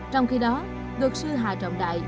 trong khi đó luật sư hà trọng đại